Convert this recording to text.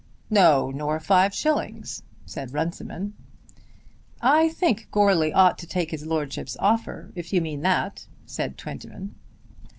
"No, nor five shillings," said Runciman. "I think Goarly ought to take his lordship's offer if you mean that," said Twentyman.